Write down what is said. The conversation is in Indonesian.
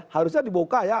harusnya dibuka ya